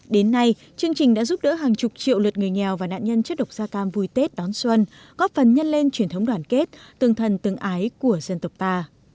đến nay chương trình đã giúp đỡ hàng chục triệu lượt người nghèo và nạn nhân chất độc da cam vui tết đón xuân góp phần nhân lên truyền thống đoàn kết tương thân tương ái của dân tộc ta